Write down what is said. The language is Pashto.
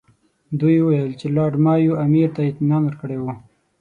دوی وویل چې لارډ مایو امیر ته اطمینان ورکړی وو.